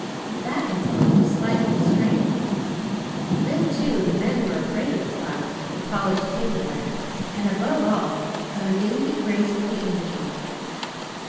That imposed a slight constraint. Then, too, the men were afraid of the flowers, the polished tableware, and above all, of the dainty grace of the Angel.